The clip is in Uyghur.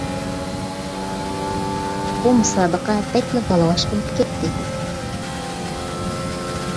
بۇ مۇسابىقە بەكلا ۋالىۋاش بولۇپ كەتتى!